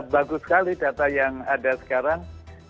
bagus sekali data yang ada sekarang